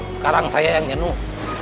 sekarang saya yang jenuh